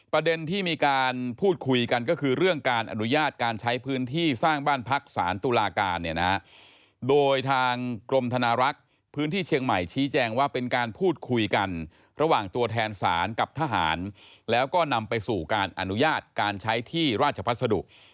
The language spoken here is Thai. ประเด็นที่มีการพูดคุยกันก็คือเรื่องการอนุญาตการใช้พื้นที่สร้างบ้านพักสารตุลาการเนี่ยนะโดยทางกรมธนารักษ์พื้นที่เชียงใหม่ชี้แจงว่าเป็นการพูดคุยกันระหว่างตัวแทนศาลกับทหารแล้วก็นำไปสู่การอนุญาตการใช้ที่ราชพัสดุ